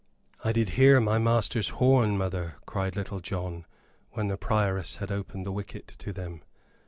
"I did hear my master's horn, mother," cried Little John, when the Prioress had opened the wicket to them.